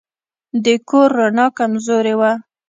د کور رڼا کمزورې وه.